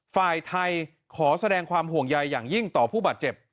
ฝ่ายไทยขอแสดงความห่วงใยอย่างยิ่งต่อผู้บาดเจ็บ